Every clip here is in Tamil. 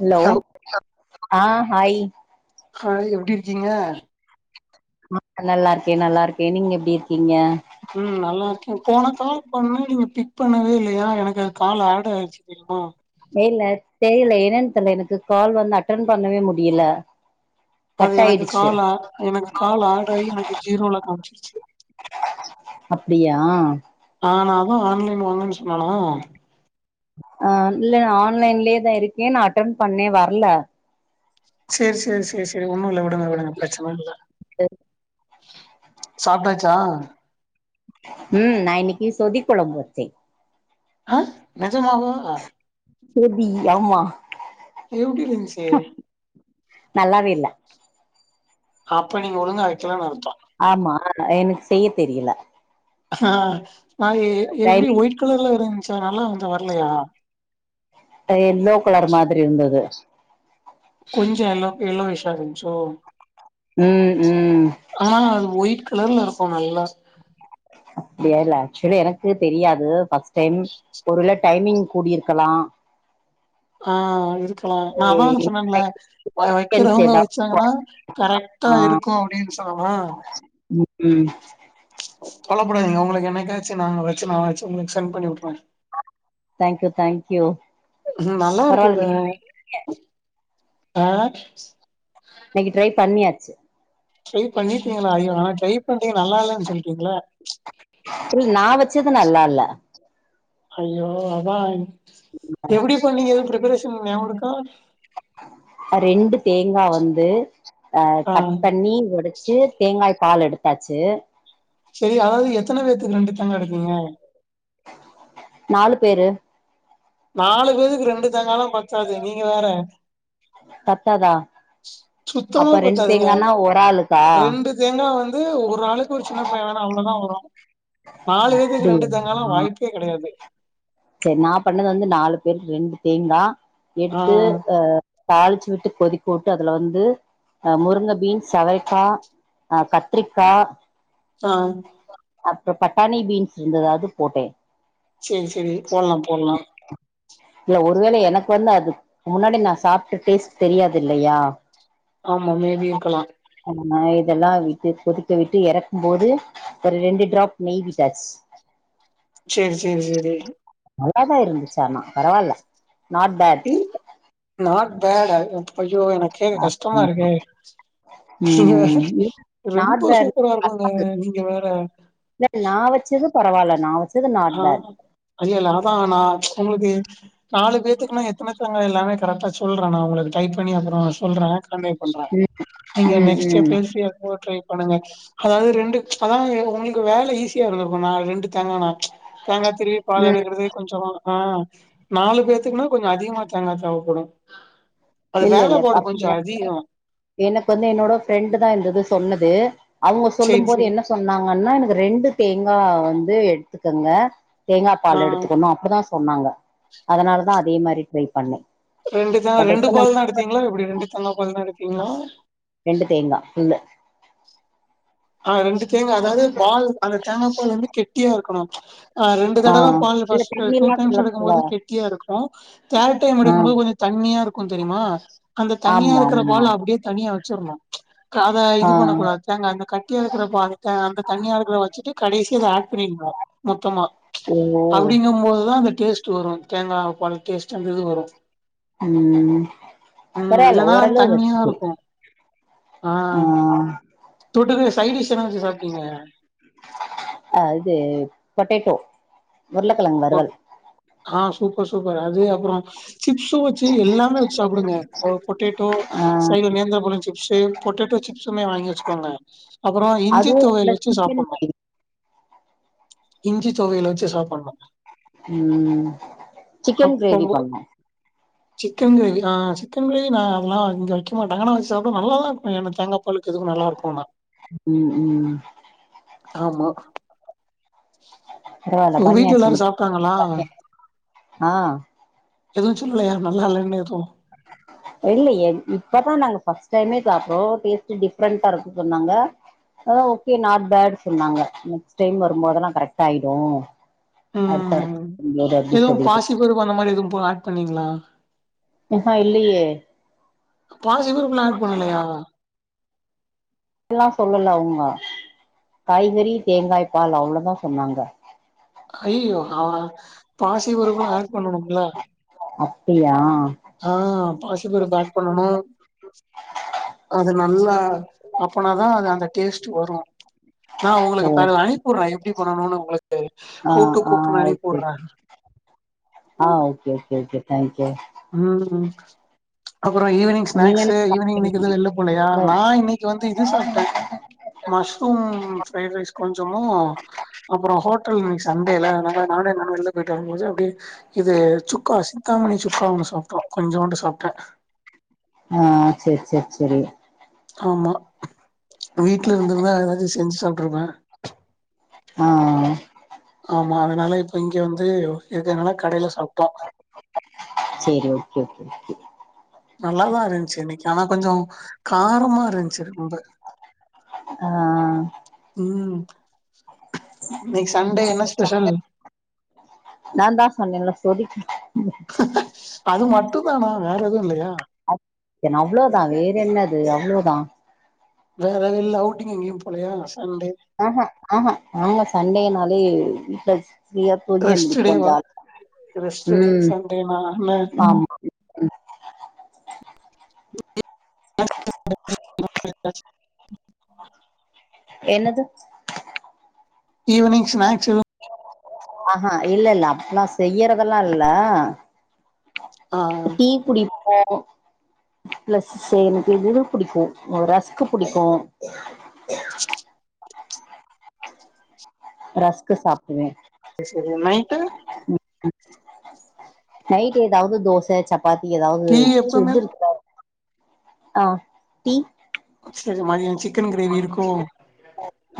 ஹலோ ஆ ஹாய் ஹாய் எப்டி இருக்கீங்க நல்லா இருக்கே நல்லா இருக்கே நீங்க எப்டி இருக்கீங்க ம் நல்லா இருக்கே போன தடவ பண்ணோ நீங்க பிக் பண்ணவே இல்லயா எனக்கு அது கால் ஆட் ஆயிருச்சு தெரியுமா மேய்ல்ல தெரியல என்னன்னு தெரில எனக்கு கால் வந்து அட்டன் பண்ணவே முடியல அது கட் எனக்கு ஆயிடுச்சு கால் ஆ எனக்கு கால் ஆகலை எனக்கு ஜீரோவ்ல்ல காமிச்சிருச்சு அப்டியா ஆ நா தா ஆன்லைன் வாங்கன்னு சொன்னான்னா ஆ இல்ல நா ஆன்லைன்லயேதா இருக்கே நான் அட்டென் பண்ணே வர்ல செரி செரி செரி செரி ஒண்ணு இல்ல விடுங்க விடுங்க பிரச்சன இல்ல [unintelligible] சாப்டாச்சா ம் நா இன்னிக்கி சொதி கொழம்பு வச்சே ஆ நெஜமாவா சொதி ஆமா எப்டிருஞ்சி நல்லாவெ இல்ல அப்ப நீங்க ஒழுங்கா வைக்கலன்னு அர்த்தோ ஆமா ஆ எனக்கு செய்ய தெரியல ஆ நா எ எப்படி டைமிங் ஒயிட் கலர்ல இருந்துச்சா நல்லாருன்சா வரல்லயா அ எல்லோ கலர் மாதிரி இருந்தது கொஞ்சொ எல்லோ எல்லோயிஷா இருந்ச்சூ ம் ம் ஆ அது ஒயிட் கலர்ல இருக்கூ நல்லா அப்படியா இல்ல ஆக்சுவலி எனக்கூ தெரியாது ஃபஸ்ட் டைம் ஒரு டைமிங் கூடியிருக்கலா ஆஹ் இருக்கலா நா அதானு சொன்னன்ல கன்ஸ் வைக்கிறவங்க ஏதாவது வச்சாங்கன்னா கரெக்டா ஆ இருக்கு அப்டின்னு சொல்லலாம் ம் கவலபடாதீங்க உங்களுக்கு என்னைக்காச்சு நாங்க வச்சி நா வச்சு உங்களுக்கு சென் பண்ணி உட்ருவே தேங்க்யூ தேங்க்யூ ம் நல்லா பரவால்ல இருக்குங்க நீ ஆஹ் இன்னைக்கு ட்ரை பண்ணியாச் ட்ரை பண்ணிட்டிங்களா ஐயோ ஆனா ட்ரை பண்ணி நல்லா இல்லன்னு சொல்லிட்டிங்களே த்ரு நா வச்சது நல்லா இல்ல ஐயோ அதா எப்டி பண்ணீங்க எதுவும் ப்ரிபரேஷன் நியாபகம் இருக்கா ரெண்டு தேங்காய் வந்து அஹ ஆ கட் பண்ணி எடுத் தேங்காய் பால் எடுத்தாச்சு சரி அதாவது எத்தன பேத்துக்கு ரெண்டு தேங்கா எடுப்பீங்க நாலு பேரு நாலு பேத்துக்கு ரெண்டு தேங்காலாம் பத்தாது நீங்க வேற பத்தாதா சுத்தமா அப்ப ரெண்டு பத்தாதுங்க தேங்கான்னா ஒரு ஆளுக்கா ரெண்டு தேங்கா வந்து ஒரு ஆளுக்கு ஒரு சின்ன பையன் வேணா அவ்ளோ தா வரொ நாலு பேத்துக்கு அப்டியா ரெண்டு தேங்காலா வாய்ப்பே கிடையாது சரி நா பண்ணது வந்து நாலு பேருக்கு ரெண்டு தேங்கா ஆ எடுத்து அ தாளிச்சு விட்டு கொதிக்க விட்டு அதுல வந்து அ முருங்க பீன்ஸ் செவைக்கா ஆஹ் கத்ரிக்கா ஆஹ் அப்புறம் பட்டானி பீன்ஸ் இருந்தது அது போட்டே சரி சரி போடலாம் போடலாம் இல்ல ஒருவேளை எனக்கு வந்து அது முன்னாடி நா சாப்ட டேஸ்ட் தெரியாது இல்லையா ஆமா மேபி இருக்கலாம் ஆ இதெல்லாம் விட்டு கொதிக்க விட்டு இறக்கும் போது ஒரு ரெண்டு டிராப் நெய் விட்டாச்சு சேரி சேரி சேரி நல்லாதான் இருந்திச்சி ஆனா பரவாயில்ல நாட் பேட் நாட் பேடா அய்யோ எனக்கு கேக்க கஷ்டமா இருக்கே ங்க வேற ம் நாட் ரொம்ப பேட் சூப்பரா இருக்குங்க நீங்க வேற இல்ல நான் வச்சது பரவால்ல நான் வச்ச ஆஹ் அய்ய இல்ல அதான் நா உங்களுக்கு நாலு பேத்துக்குன்னா எத்தன தேங்கா எல்லாமே கரெக்டா சொல்ற நா உங்களுக்கு டைப் பண்ணி அப்புறம் சொல்றேன் பண்ற நீங்க ம் நெக்ஸ்ட் ம் பேசிய எப்போ பண்ணுங்க அதாவது ரெண்டு அதாவது உங்களுக்கு வேலை ஈஸியா இருந்திருக்கும் நா ரெண்டு தேங்கானா தேங்கா திருவி பால் ம் எடுக்குறது கொஞ்சம் ஆஹ் நாலு பேத்துக்குன்னா கொஞ்சம் அதிகமா தேங்கா தேவைப்படும் இல்ல இல்ல அப்ப எனக்கு வந்து என்னோட ஃப்ரெண்டு் தான் இது சொன்னது அவங்க சொல்லும் சேரி போது சேரி என்ன சொன்னாங்கன்னா எனக்கு ரெண்டு தேங்கா வந்து எடுத்துக்கங்க தேங்கா ஆ பால் எடுத்துக்கணும் அப்படிதா சொன்னாங்க அதே மாரி ட்ரை பண்ண ரெண்டு தா ரெண்டு பால் தா எடுத்திங்களா எப்டி ரெண்டு தேங்கா பால் எடுத்தீங்களா ரெண்டு தேங்கா ஆஹ் ரெண்டு தேங்கா அதாவது பால் அந்த தேங்காப்பால் வந்து கெட்டியா இருக்கனும் ரெண்டு ஆ தடவ பால் இல்ல ஃபர்ஸ்ட டூ தண்ணில்லா டைம்ஸ் கலக்கல எடுக்கும்போது கெட்டியா இருக்கும் தேர்ட் டைம் ஆ எடுக்கும் போது கொஞ்சம் தண்ணியா இருக்கும் தெரியுமா அந்த தண்ணியா ஆமா இருக்கிற ஆமா பால் அப்டியே தனியா வச்சிரணும் அத ஆ இது பண்ணக் கூடாது தேங்கா அந்த க ட்டியா இருக்கிற பாலத்த அந்த தண்ணியா இருக்கிற வச்சிட்டு கடைசி அத அட் பண்ணிரனும் மொத்தமா ஓ அப்டிங்கம்போதுதா அந்த டேஸ்ட்டு வரு தேங்கா பால் டேஸ்ட்டு அந்த இது வரு ம் ம் பரவால்ல இல்லன்னா ஓரளவு தண்ணியா வெச்சுப்பே இருக்கு ஆ தொட்டுக்கு சைடிஷ் என்ன வெச்சு சாப்ட்டீங்க அ இது பொட்டேட்டோ உருளகெழங் வருவல் ஆ சூப்பர் சூப்பர் அது அப்றோ சிப்ஸு வெச்சி எல்லாமே வெச்சு சாப்டுங்க ஒருப் பொட்டேட்டோ ஆ சைட்ல நேந்திரபழம் சிப்ஸு பொட்டேட்டோ சிப்ஸுமே வாங்கி வெச்சுகோங்க அப்பறோ இஞ்சித் அதுவு தொவையல் பிளஸ் வெச்சி சிக்கன் சாப்புன்னு ஃப்ரை இஞ்சி தொவையல வெச்சு சாப்பன்னு ம் சிக்கன் கிரேவி அப்பவோ பண்ணோ சிக்கன் கிரேவி ஆ சிக்கன் கிரேவி நா அதெல்லா இங்க வெக்க மாட்டாங்கா ஆனா வெச்சு சாப்ட நல்லாதாருக்கு ஏன்டா தேங்காப் களுக்கு எதுவு நல்லாருக்குன்னா ம் ம் ஆமா பரவால்ல ஒங்க வீட்ல பண்ணியாச்சு எல்லாரு சாப்ட்டாங்களா இன்னைக்கு ஆ எதுவு சொல்லலையா நல்லாலேன்னு எதுவு இல்லயே இப்பதா நாங்க ஃபர்ஸ்ட் டைமே சாப்ட்றோம் டேஸ்ட்டு டிஃப்ரெண்டா இருக்கு சொன்னாங்க ஆ ஓகே நாட் பேடு சொன்னாங்க நெக்ஸ்ட் டைம் வரும்போதெல்லா கரெக்ட்டாயிடு அடுத்தடுத்து [unintelligible] சொல்லிட்டு த்தி பருப்பு அந்த மாரி எதுவும் போ ஆட் பண்ணீங்ளா ம் ம் இல்லியே பாசிபருப்லா ஆட் பண்ணலையா எல்லா சொல்லல அவுங்க காய்கறி தேங்காய் பால் அவ்ளதா சொன்னாங்க ஐயய்யோ அவெ பாசி பருப்லா ஆட் பண்ணணுமில்ல அப்டியா ஆ பாசிபருப்பு ஆட் பண்ணணு அது நல்லா அப்பனாதா அது அந்த டேஸ்ட்டு வரு நா ஒங்களுகு ஓ இப்பனெல் அனிப்புர்றே எப்டி பண்ணணு ஒங்களுக்கு ஆ have to ah குக்குனு okay அனிப்புர்றே ah okay okay okay thank you ம் ம் அப்பறோ ஈவினிங் நீங்க என்ன ஸ்நாக்ஸு ஈவினிங் இன்னைக்கு எது வெள்லப் போலயா சாப்டீங்க நா இன்னைக் க்க வந்து இது சாப்ட்டே மஷ்ரூம் ஃப்ரைட் ரைஸ் கொஞ்சமு அப்பறோ ஹோட்டல் இன்னைக்கு சண்டேல அதுனால நானே நடந்து வெள்ல போயிட்டு வரும் போது அப்டியே இது சுக்கா சிந்தாமணி சுக்கா ஒன்னு சாப்ட்டோ கொஞ்சோண்டு சாப்ட்டே ஆ சேர் சேர் செரி ஆமா வீட்ல இருந்துருந்தா எதாச்சு செஞ்சு சாப்ட்ருப்பே ம் ம் ம் ஆமா அதனால இப்ப இங்க வந்து இருக்கதுனால கடைல சாப்ட்டோ சேரி ஓகே ஓகே ஓகே நல்லாதா இருந்ச்சு இன்னைக்கு ஆனா கொஞ்சோ காரமா இருந் ச்சு ரொம்ப ஆ ம் இன்னைக் சண்டே என்ன ஸ்பெஷல் நாந்தா சொன்னேல்ல சொதிக் அது மட்டுந்தானா வேற எதுவு இல்லயா என் அவ்ளோதா வேற என்னது அவ்ளோதா வேற எது இல்ல அவுட்டிங் எங்கியும் போலயா சண்டே அ அ அ அ நாங்க சண்டேனாலே விட்டாச்சு ஃப்ரீயா தூங்கி ரெஸ்ட் டேவா எந்திரி ரெஸ்ட் [unintelligible] டே ம் சண்டேனா என்ன ஆம் [inaudible] என்னது ஈவ்னிங் ஸ்நாக்ஸ் எது ஆ ஹா இல்லெல்ல அப்பில்லா செய்யறதெல்லா இல்ல ஆ டீ குடிப்போ ப்ளஸ் [unintelligible] புடிக்கு ரஸ்க்கு புடிக்கு [inaudible] ரஸ்க்கு சாப்டுவே சேர் சேரி நைட்டு நைட்டு எதாவ்து தோச ச ப்பாத்தி எதாவ்து டீ எப்பவுமே [unintelligible] ஆ டீ செரி மதியோ சிக்கன் கிரேவி இருக்கோ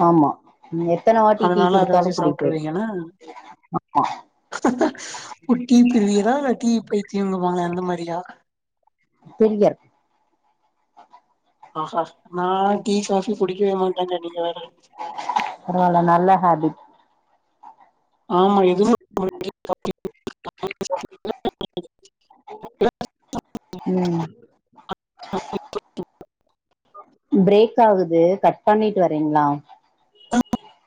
ஆமா எத்தன வாட்டி டீ அதனால அத குடுத்தாலு வச்சு குடிப்பே சாப்ட்ருவீங்க என்ன ஆமா ஓ டீ பிரியரா டீ பைத்தியோங்குவாங்களே அந்த மாரியா பிரியர் ஆ ஹா நா டீ காஃபி குடிக்கவேமாட்டேங்க நீங்க வேற பரவால்ல நல்ல ஹாபிட் ஆமா எதுமே [inaudible] ம் பிரேக்காகுது கட் பண்ணிட்டு வரீங்ளா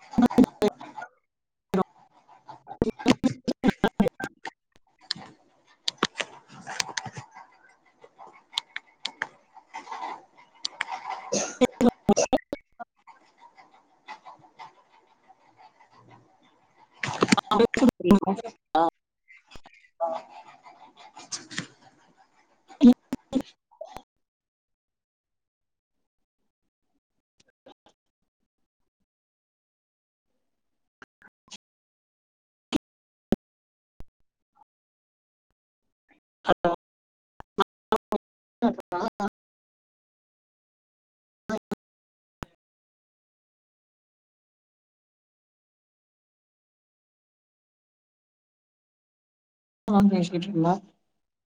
[inaudible] [inaudible] [inaudible] [inaudible] [inaudible] [inaudible] [inaudible] ஃபோன் பேசிட்ருந்தா